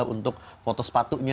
untuk foto sepatunya